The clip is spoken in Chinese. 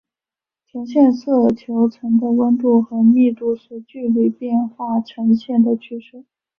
呈现色球层的温度和密度随距离变化呈现的趋势。